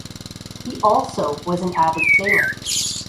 He also was an avid sailor.